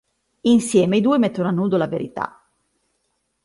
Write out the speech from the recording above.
Insieme, i due mettono a nudo la verità.